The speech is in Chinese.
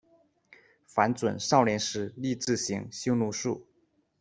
樊准少年时励志行，修儒术。